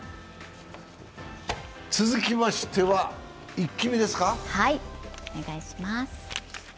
続きましては、「イッキ見」ですか。